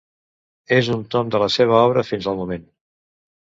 És un tom de la seva obra fins al moment.